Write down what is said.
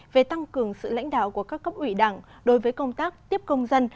về tăng cường sự lãnh đạo của các cấp ủy đảng đối với công tác tiếp công dân